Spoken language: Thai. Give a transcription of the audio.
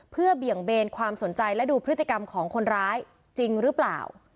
เพื่อเบี่ยงเบนความสนใจและดูพฤติกรรมของคนร้ายจริงหรือเปล่า